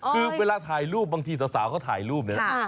คือเวลาถ่ายรูปบางทีสาวเขาถ่ายรูปเนี่ย